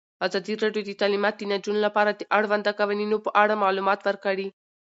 ازادي راډیو د تعلیمات د نجونو لپاره د اړونده قوانینو په اړه معلومات ورکړي.